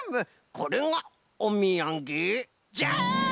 これがおみやげじゃい！